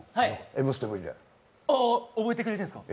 覚えてくれてるんですか？